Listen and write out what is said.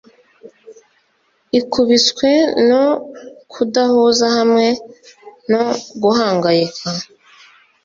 ikubiswe no kudahuza hamwe no guhangayika